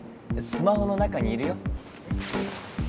スマホの中にいるよ。